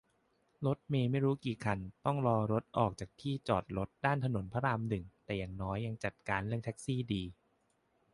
รถเมล์ไม่รู้กี่คันต้องรอรถออกจากที่จอดรถด้านถนนพระรามหนึ่ง แต่อย่างน้อยยังจัดการเรื่องแท็กซี่ดี